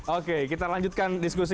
oke kita lanjutkan diskusi